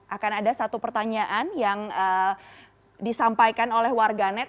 akan ada satu pertanyaan yang disampaikan oleh warga net